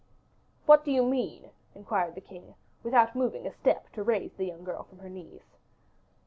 "What do you mean?" inquired the king, without moving a step to raise the young girl from her knees.